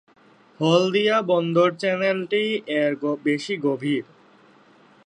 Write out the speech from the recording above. হলদিয়া বন্দর চ্যানেলটি এর বেশি গভীর।